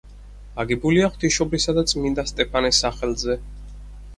აგებულია ღვთისმშობლისა და წმინდა სტეფანეს სახელზე.